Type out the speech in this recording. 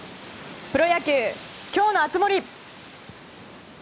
プロ野球、今日の熱盛。